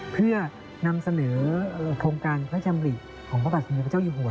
เพื่อนำเสนอโครงการพระชำริของพระบาทสมเด็จพระเจ้าอยู่หัว